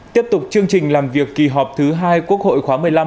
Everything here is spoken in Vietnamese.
tiếp tục chương trình làm việc kỳ họp thứ hai quốc hội khóa một mươi năm